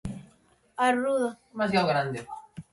A ruda. Demasiao grande.